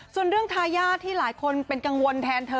ส่วนเรื่องทายาทที่หลายคนเป็นกังวลแทนเธอ